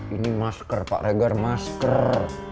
ini masker pak regar masker